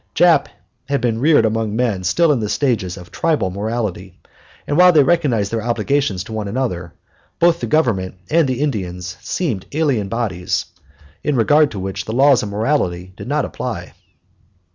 Jap had been reared among men still in the stage of tribal morality, and while they recognized their obligations to one another, both the Government and the Indians seemed alien bodies, in regard to which the laws of morality did not apply.